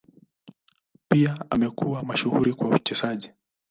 Pia amekuwa mashuhuri kwa uchezaji.